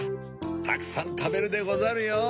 たくさんたべるでござるよ！